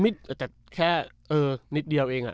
แต่แค่นิดเดียวเอง